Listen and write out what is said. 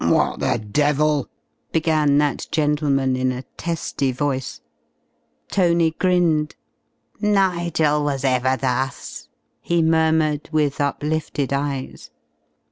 "What the devil ?" began that gentleman, in a testy voice. Tony grinned. "Nigel was ever thus!" he murmured, with uplifted eyes.